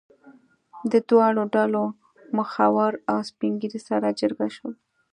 د دواړو ډلو مخور او سپین ږیري سره جرګه شول.